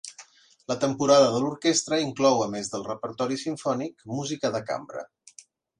La temporada de l'orquestra inclou a més del repertori simfònic, música de cambra.